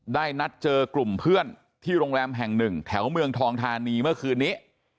นัดเจอกลุ่มเพื่อนที่โรงแรมแห่งหนึ่งแถวเมืองทองทานีเมื่อคืนนี้